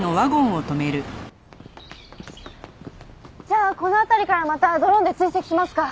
じゃあこの辺りからまたドローンで追跡しますか。